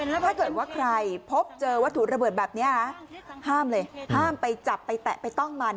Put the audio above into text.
แล้วถ้าเกิดว่าใครพบเจอวัตถุระเบิดแบบนี้ห้ามเลยห้ามไปจับไปแตะไปต้องมัน